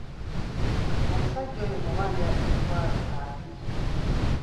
Omusajja oyo mubaanja emitwaalo abiri.